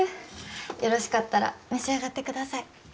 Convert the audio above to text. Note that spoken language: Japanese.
よろしかったら召し上がってください。